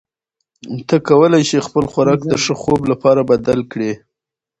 ته کولی شې خپل خوراک د ښه خوب لپاره بدل کړې.